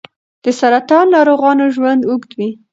د سرطان ناروغانو ژوند اوږدوي.